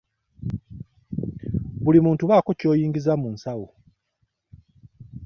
Buli muntu baako ky'oyingiza mu nsawo.